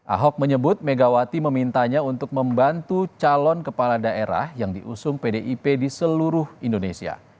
ahok menyebut megawati memintanya untuk membantu calon kepala daerah yang diusung pdip di seluruh indonesia